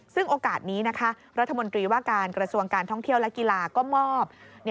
ซึ่งโอกาสนี้นะคะรัฐมนตรีว่าการกระทรวงการท่องเที่ยวและกีฬาก็มอบ